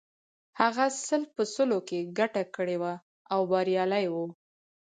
هغه سل په سلو کې ګټه کړې وه او بریالی و